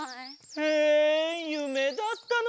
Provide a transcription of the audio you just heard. えゆめだったのか。